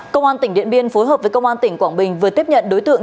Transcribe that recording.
công an tp biên phối hợp với công an tp quảng bình vừa tiếp nhận đối tượng